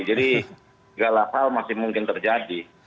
jadi segala hal masih mungkin terjadi